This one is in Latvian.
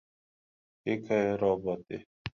Tikai roboti.